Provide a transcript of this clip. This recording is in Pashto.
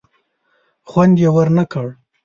خوند یې ور نه کړ.